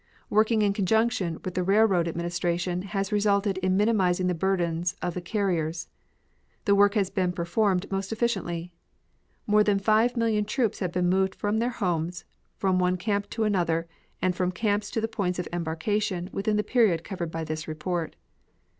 Working in conjunction with the Railroad Administration has resulted in minimizing the burdens of the carriers. The work has been performed most efficiently. More than 5,000,000 troops have been moved from their homes, from one camp to another, and from camps to the points of embarkation within the period covered by this report.